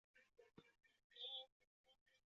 目前已在英格兰及摩纳哥发现鲸龙的化石。